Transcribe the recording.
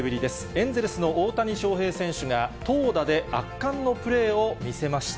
エンゼルスの大谷翔平選手が、投打で圧巻のプレーを見せました。